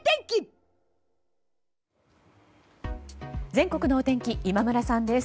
全国天気、今村さんです。